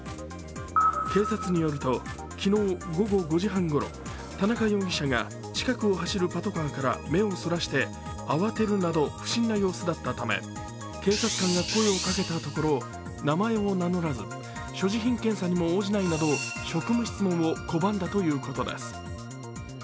警察によると、昨日午後５時半ごろ田中容疑者が近くを走るパトカーから目をそらして、慌てるなど不審な様子だったため警察官が声をかけたところ名前を名乗らず所持品検査にも応じないなど職務質問を拒んだということです。